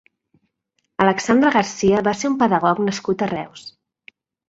Alexandre Garcia va ser un pedagog nascut a Reus.